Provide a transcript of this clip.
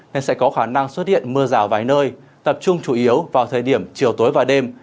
nên sẽ có khả năng xuất hiện mưa rào vài nơi tập trung chủ yếu vào thời điểm chiều tối và đêm